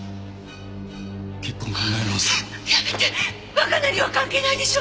若菜には関係ないでしょ。